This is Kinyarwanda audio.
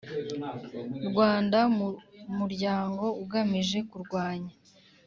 Rwanda mu Muryango ugamije Kurwanya